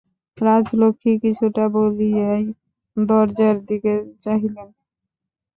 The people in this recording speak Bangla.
রাজলক্ষ্মী কিছু না বলিয়াই দরজার দিকে চাহিলেন।